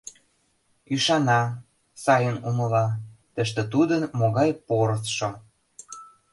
Ӱшана, сайын умыла, тыште тудын могай порысшо!